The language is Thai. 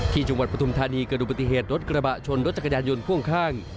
ที่จุงวันพฤธินิกระดูกปฏิเหตุรถกระบะชนรถจักรยานยนต์พ่วงข้าง